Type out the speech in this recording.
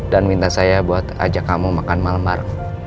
dan minta saya buat ajak kamu makan malmar